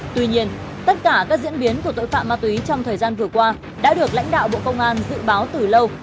tuy nhiên tất cả các diễn biến của tội phạm ma túy trong thời gian vừa qua đã được lãnh đạo bộ công an dự báo từ lâu